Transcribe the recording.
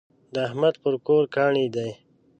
د احمد پر کور کاڼی دی.